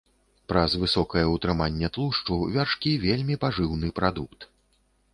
Праз высокае ўтрыманне тлушчу вяршкі вельмі пажыўны прадукт.